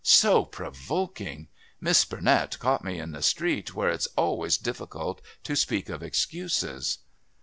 So provoking! Miss Burnett caught me in the street, where it's always so difficult to think of excuses."